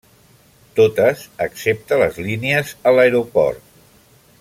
Totes excepte les línies a l'aeroport.